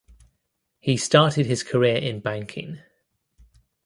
He started his career in banking.